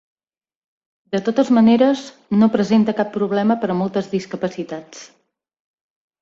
De totes maneres, no presenta cap problema per a moltes discapacitats.